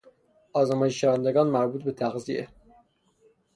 آزمایش شوندگان مربوط به تغذیه